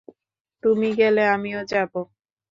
তুমি গেলে আমিও যাব।